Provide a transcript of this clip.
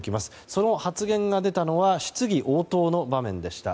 その発言が出たのは質疑応答の場面でした。